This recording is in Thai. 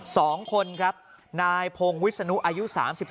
สองคนครับนายพงวิศนุอายุ๓๓